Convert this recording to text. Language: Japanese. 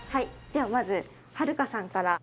ではまずはるかさんから。